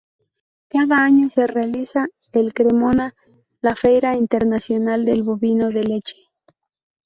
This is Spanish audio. Cada año se realiza en Cremona la Feira internacional del bovino de leche.